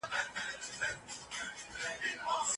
ولي چوپتیا د ذهن د ارامولو لپاره اړینه ده؟